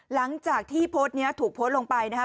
หลังจากที่โพสต์นี้ถูกโพสต์ลงไปนะครับ